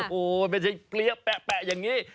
โอ้โหไม่ใช่เปรี้ยแปะอย่างนี้